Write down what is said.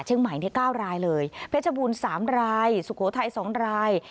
ใหม่๙รายเลยเพชรบูรณ์๓รายสุโขทัย๒ราย